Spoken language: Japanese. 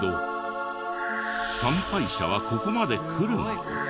参拝者はここまで来るの？